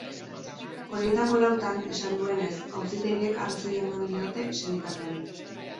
Horietako lautan, esan duenez, auzitegiek arrazoia eman diote sindikatuari.